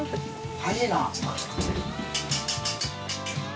早いな。